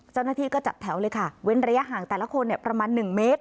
เจ้าหน้าที่ก็จัดแถวเลยค่ะเว้นระยะห่างแต่ละคนประมาณ๑เมตร